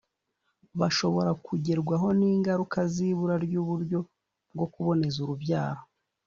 bashobora kugerwaho n’ingaruka z’ibura ry’uburyo bwo kuboneza urubyaro,